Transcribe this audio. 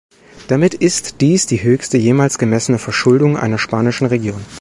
Damit ist dies die höchste jemals gemessene Verschuldung einer spanischen Region.